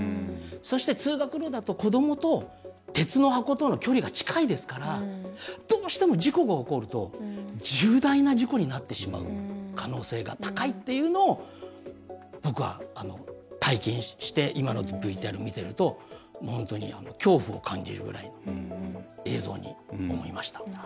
そして、通学路だと子どもと鉄の箱との距離が近いですからどうしても事故が起こると重大な事故になってしまう可能性が高いっていうのを僕は体験して今のＶＴＲ見てると本当に恐怖を感じるぐらい映像に思いました。